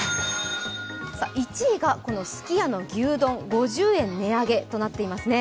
１位がすき家の牛丼５０円値上げとなっていますね。